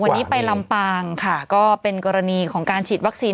วันนี้ไปลำปางค่ะก็เป็นกรณีของการฉีดวัคซีน